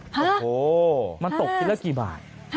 โอ้โหมันตกชิ้นละกี่บาท